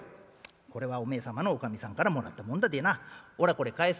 これはお前様のおかみさんからもらったもんだでなおらこれ返す」。